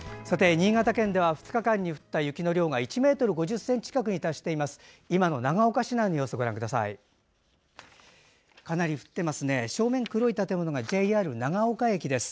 新潟県では２日間に降った雪の量が１ｍ５０ｃｍ近くに達しています。